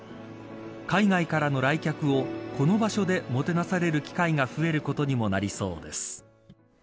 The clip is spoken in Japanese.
海外からの来客をこの場所でもてなされる機会が増えることになりそうです。